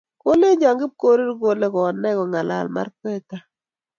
Kolechon Kipkorir kole kokonai kong'alal Markweta.